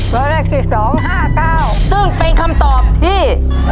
ตัวเลขสี่สองห้าเก้าซึ่งเป็นคำตอบที่